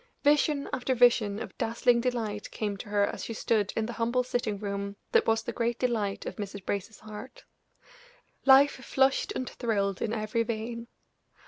Vision after vision of dazzling delight came to her as she stood in the humble sitting room that was the great delight of Mrs. Brace's heart; life flushed and thrilled in every vein.